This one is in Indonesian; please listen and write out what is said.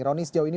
rony sejauh ini